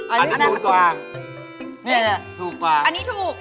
อันนี้ถูกกว่าเนี่ยถูกกว่าอันนี้ถูก